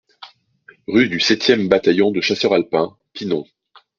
Rue du sept e Bataillon de Chasseurs Alpins, Pinon